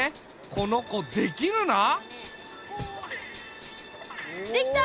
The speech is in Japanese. この子できるな！出来た！